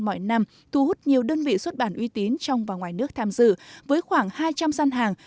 mọi năm thu hút nhiều đơn vị xuất bản uy tín trong và ngoài nước tham dự với khoảng hai trăm linh gian hàng